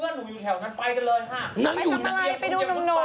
เพื่อนหนูอยู่แถวนั้นไปกันเลยค่ะไปทำอะไรไปดูหนุ่ม